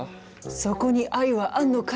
そこに愛はあんのかい？